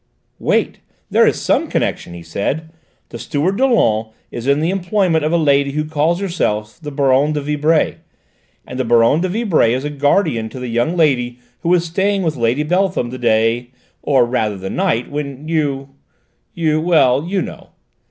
"Wait, there is some connection," he said. "The steward, Dollon, is in the employment of a lady who calls herself the Baronne de Vibray. And the Baronne de Vibray is guardian to the young lady who was staying with Lady Beltham the day, or rather the night, when you you well, you know.